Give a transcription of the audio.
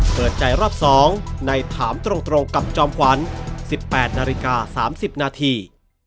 เปิดใจรอบ๒ในถามตรงกับจอมขวัญ๑๘นาฬิกา๓๐นาที